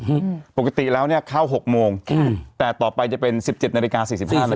อืมปกติแล้วเนี้ยเข้าหกโมงอืมแต่ต่อไปจะเป็นสิบเจ็ดนาฬิกาสี่สิบห้านาที